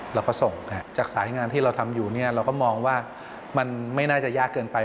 เราก็ส่งจากสายงานที่เราทำอยู่เราก็มองว่ามันไม่น่าจะยากเกินไป